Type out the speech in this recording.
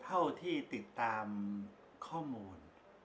เท่าที่ติดตามข้อมูล